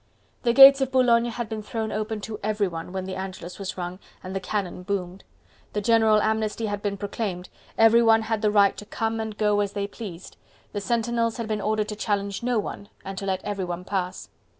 The gates of Boulogne had been thrown open to everyone when the Angelus was rung and the cannon boomed. The general amnesty had been proclaimed, everyone had the right to come and go as they pleased, the sentinels had been ordered to challenge no one and to let everyone pass.